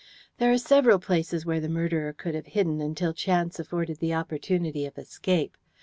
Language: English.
There are several places where the murderer could have hidden until chance afforded the opportunity of escape.